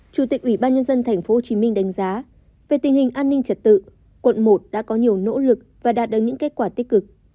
chủ tịch ủy ban nhân dân tp hcm đánh giá về tình hình an ninh trật tự quận một đã có nhiều nỗ lực và đạt được những kết quả tích cực